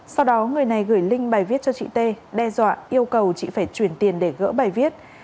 sau đó người này gửi link bài viết cho chị t đe dọa yêu cầu chị phải chuyển tiền để gỡ bài viết